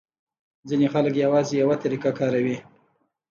ځینې خلک یوازې یوه طریقه کاروي.